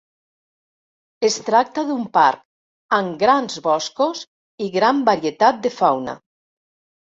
Es tracta d'un parc amb grans boscos i gran varietat de fauna.